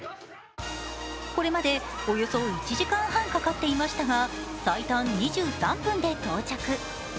これまでおよそ１時間半かかっていましたが最短２３分で到着。